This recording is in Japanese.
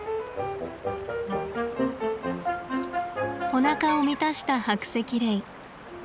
おなかを満たしたハクセキレイ。